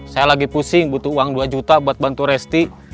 saya lagi pusing butuh uang dua juta buat bantu resti